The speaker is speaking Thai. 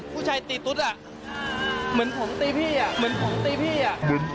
ผู้ชายตีตุ๊ดอะเหมือนผมตีพี่อะ